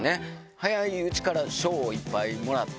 早いうちから賞をいっぱいもらって。